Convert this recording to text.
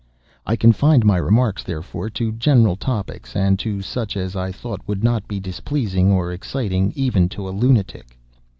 I confined my remarks, therefore, to general topics, and to such as I thought would not be displeasing or exciting even to a lunatic.